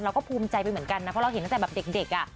เราก็ภูมิใจไปเหมือนกันนะเพราะเราเห็นตั้งแต่แบบเด็กอ่ะ